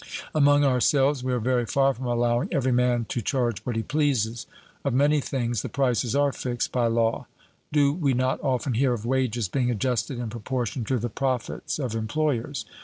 Among ourselves we are very far from allowing every man to charge what he pleases. Of many things the prices are fixed by law. Do we not often hear of wages being adjusted in proportion to the profits of employers?